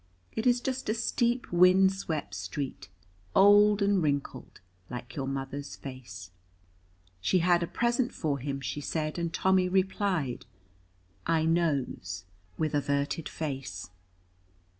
It is just a steep wind swept street, old and wrinkled, like your mother's face. She had a present for him, she said, and Tommy replied, "I knows," with averted face.